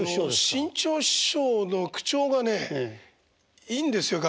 志ん朝師匠の口調がねいいんですよ